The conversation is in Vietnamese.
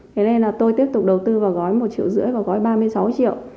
thế nên là tôi tiếp tục đầu tư vào gói một triệu rưỡi và gói ba mươi sáu triệu